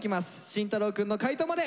慎太郎くんの解答まで。